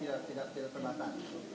ya tidak terbatas